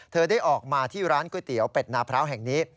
ได้ออกมาที่ร้านก๋วยเตี๋ยวเป็ดนาพร้าวแห่งนี้